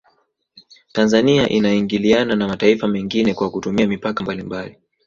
Tanzania inaingiliana na mataifa mengine kwa kutumia mipaka mbalimbali